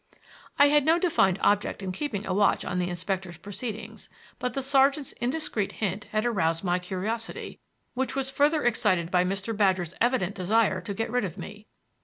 I had no defined object in keeping a watch on the inspector's proceedings; but the sergeant's indiscreet hint had aroused my curiosity, which was further excited by Mr. Badger's evident desire to get rid of me.